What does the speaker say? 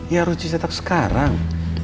ya harus dicetak sekarang